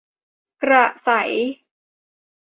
กระษัย